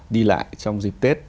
đi lại trong dịp tết